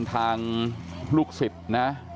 ทางลูกศิษย์นะ